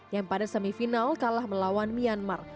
yang pada semifinal kalah melawan myanmar